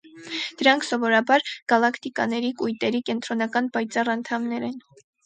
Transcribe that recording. Դրանք, սովորաբար, գալակտիկաների կույտերի կենտրոնական, պայծառ անդամներ են։